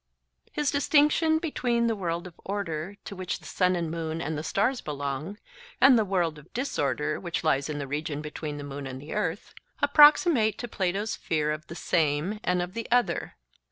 His distinction between the world of order, to which the sun and moon and the stars belong, and the world of disorder, which lies in the region between the moon and the earth, approximates to Plato's sphere of the Same and of the Other.